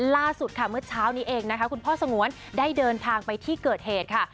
ล่าสุดค่ะเมื่อเช้านี้เองนะคะคุณพ่อสงวนได้เดินทางไปที่เกิดเหตุค่ะ